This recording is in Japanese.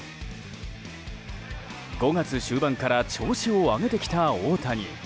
５月終盤から調子を上げてきた大谷。